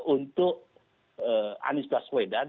untuk anies baswedan